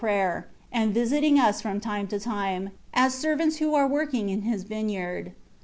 77 prayer, and visiting ns from time to time, as ser vants who are working in his vineyard.